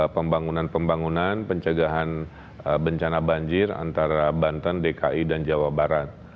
pembangunan pembangunan pencegahan bencana banjir antara banten dki dan jawa barat